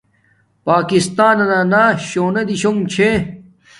پاکستانانا شونے دیشونگ چھے